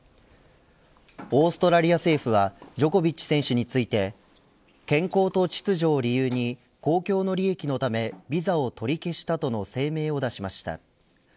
オーストラリア政府はジョコビッチ選手について健康と秩序を理由に公共の利益のためビザを取り消したとの声明を出しました。